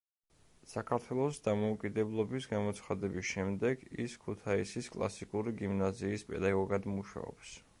საქართველოს დამოუკიდებლობის გამოცხადების შემდეგ ის ქუთაისის კლასიკური გიმნაზიის პედაგოგად მუშაობს.